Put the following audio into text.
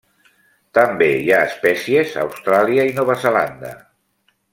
També hi ha espècies a Austràlia i Nova Zelanda.